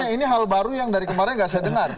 ini hal baru dari yang kemarin dia nggak saya dengar